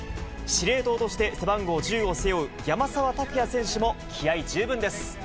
司令塔として背番号１０を背負う山沢拓也選手も気合い十分です。